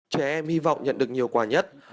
trẻ em hy vọng nhận được nhiều quà nhất